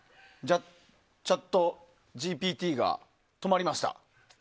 ＣｈａｔＧＰＴが止まりました。